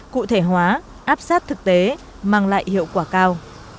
cụ thể hóa áp sát thực tế mang lại hiệu quả cao